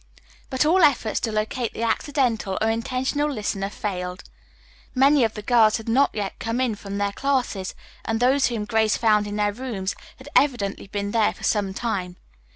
But all efforts to locate the accidental or intentional listener failed. Many of the girls had not yet come in from their classes, and those whom Grace found in their rooms had evidently been there for some time.